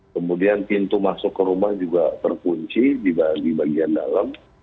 kemudian pintu masuk ke rumah juga terkunci di bagian dalam